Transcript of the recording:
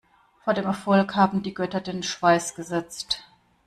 Vor den Erfolg haben die Götter den Schweiß gesetzt.